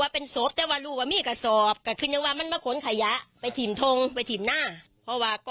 พอสักวันหนึ่งมันก็กอดแอวกันอ้อมบ้านกันรองเผ็ง